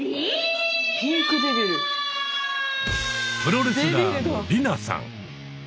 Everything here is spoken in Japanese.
プロレスラーの吏南さん。